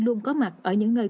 luôn có mặt ở những nơi